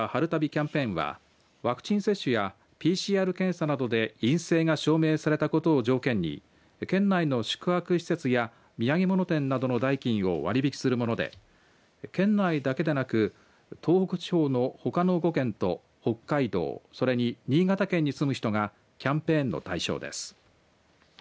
キャンペーンはワクチン接種やＰＣＲ検査などで陰性が証明されたことを条件に県内の宿泊施設や土産物店などの代金を割り引きするもので県内だけでなく東北地方のほかの５県と北海道それに新潟県に住む人がキャンペーンの対象です。